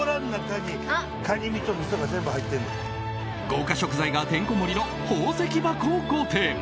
豪快食材がてんこ盛りの宝石箱御殿！